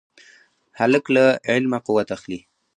هلک له علمه قوت اخلي.